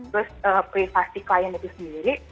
terus privasi klien itu sendiri